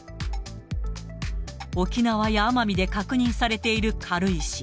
沖縄や奄美で確認されている軽石。